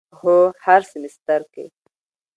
هو، هر سیمیستر کی